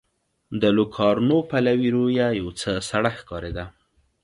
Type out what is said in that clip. د لوکارنو پلوي رویه یو څه سړه ښکارېده.